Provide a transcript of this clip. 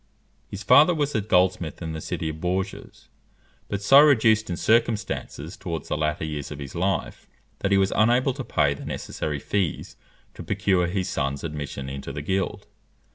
His father was a goldsmith in the city of Bourges; but so reduced in circumstances towards the latter years of his life, that he was unable to pay the necessary fees to procure his son's admission into the guild.